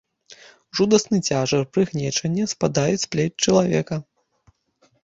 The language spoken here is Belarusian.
Жудасны цяжар прыгнечання спадае з плеч чалавека.